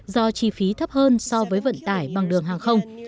do chi phí thấp hơn so với vận tải bằng đường hàng không